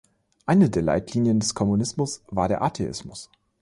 Eine der Leitlinien des Kommunismus war der Atheismus.